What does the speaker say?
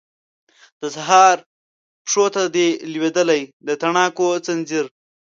د سهار پښو ته دی لویدلی د تڼاکو ځنځیر